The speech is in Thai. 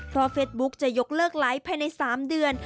เพราะเฟสบุ๊คจะยกเลิกไลฟ์ภายใน๓เดือน